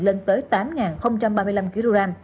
lên tới tám ba mươi năm kg